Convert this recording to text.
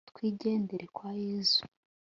twigendere kwa yezu